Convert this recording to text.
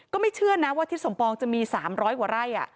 ไม่เชื่อนะว่าทิศสมปองจะมี๓๐๐กว่าไร่